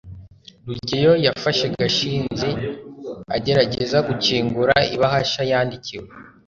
rugeyo yafashe gashinzi agerageza gukingura ibahasha yandikiwe